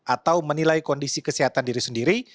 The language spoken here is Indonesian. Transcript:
atau menilai kondisi kesehatan diri sendiri